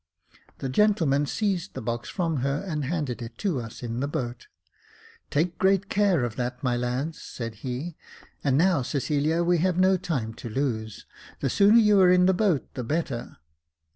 The gentleman seized the box from her, and handed it to us in the boat. "Take great care of that, my lads," said he; "and now, Cecilia, we have no time to lose ; the sooner you are in the boat, the better."